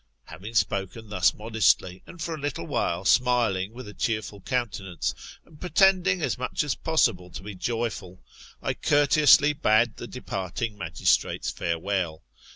Having spoken thus modestly, and for a little while smiling with a cheerful countenance, and pretending as much as possible to be more joyful, I courteously bade the departing magistrates farewell.